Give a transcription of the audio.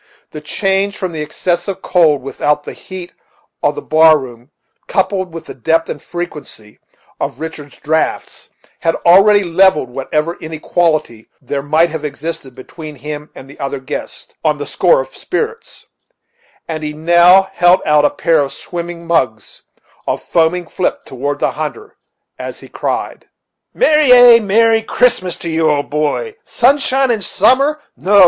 The change from the excessive cold without to the heat of the bar room, coupled with the depth and frequency of Richard's draughts, had already levelled whatever inequality there might have existed between him and the other guests, on the score of spirits; and he now held out a pair of swimming mugs of foaming flip toward the hunter, as he cried: "Merry! ay! merry Christmas to you, old boy! Sun shine and summer! no!